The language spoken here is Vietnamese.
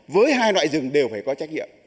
với hai loại rừng đều phải có trách nhiệm